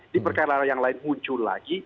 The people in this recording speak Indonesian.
di perkara yang lain muncul lagi